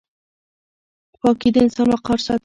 پاکي د انسان وقار ساتي.